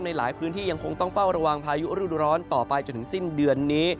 หลายพื้นที่ยังคงต้องเฝ้าระวังพายุฤดูร้อนต่อไปจนถึงสิ้นเดือนนี้